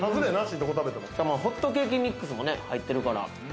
ホットケーキミックスも入ってるから。